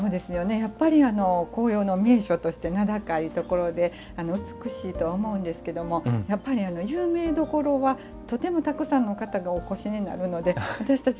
やっぱり紅葉の名所として名高いところで美しいと思うんですけどもやっぱり、有名どころはとてもたくさんの方がお越しになるので私たち